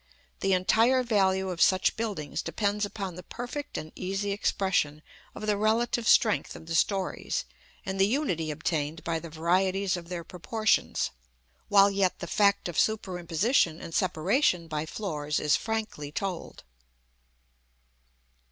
The entire value of such buildings depends upon the perfect and easy expression of the relative strength of the stories, and the unity obtained by the varieties of their proportions, while yet the fact of superimposition and separation by floors is frankly told.